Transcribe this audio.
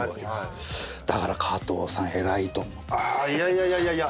あいやいやいやいやいや。